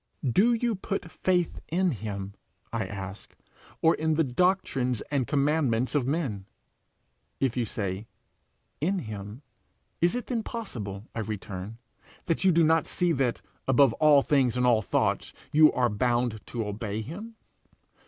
'Do you put faith in him,' I ask, 'or in the doctrines and commandments of men?' If you say 'In him,' 'Is it then possible,' I return, 'that you do not see that, above all things and all thoughts, you are bound to obey him?'